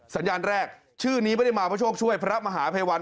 สัญญาณแรกชื่อนี้ไม่ได้มาเพราะโชคช่วยพระมหาภัยวัน